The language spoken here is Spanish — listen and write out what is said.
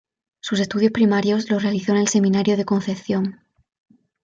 Sus estudios primarios los realizó en el Seminario de Concepción.